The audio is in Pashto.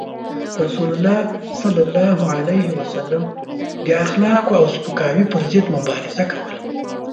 رسول الله صلى الله عليه وسلم د اخلاقو او سپکاوي پر ضد مبارزه کوله.